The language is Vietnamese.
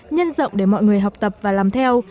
nhân rộng để mọi người học tập và làm theo